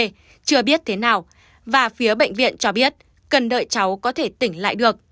b chưa biết thế nào và phía bệnh viện cho biết cần đợi cháu có thể tỉnh lại được